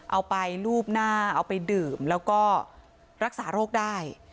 เอาไปลูบหน้าเอาไปดื่มแล้วก็รักษาโรคได้